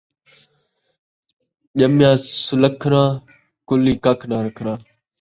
ڄمیا سلکھݨا، کُلی ککھ ناں رکھݨا